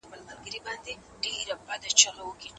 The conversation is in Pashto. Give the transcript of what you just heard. اقتصادي نظام باید د خلکو په خدمت کي وي.